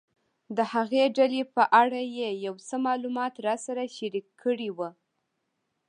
د هغې ډلې په اړه یې یو څه معلومات راسره شریک کړي ول.